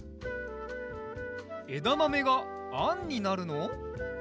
えだまめがあんになるの？